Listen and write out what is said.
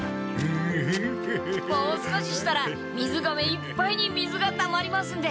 もう少ししたらみずがめいっぱいに水がたまりますんで。